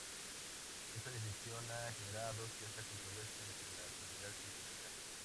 Esta decisión ha generado cierta controversia entre la comunidad científica.